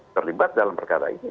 terlibat dalam perkara ini